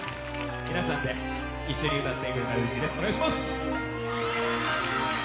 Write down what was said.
皆さんで一緒に歌ってくれたらうれしいです、お願いします！